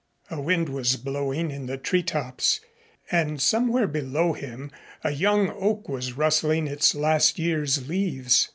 A wind was blowing in the treetops and somewhere below him a young oak was rustling its last year's leaves.